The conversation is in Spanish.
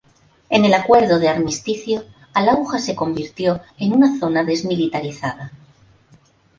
En el acuerdo de armisticio, al-Auja se convirtió en una zona desmilitarizada.